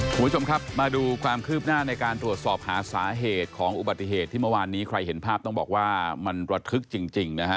คุณผู้ชมครับมาดูความคืบหน้าในการตรวจสอบหาสาเหตุของอุบัติเหตุที่เมื่อวานนี้ใครเห็นภาพต้องบอกว่ามันระทึกจริงนะฮะ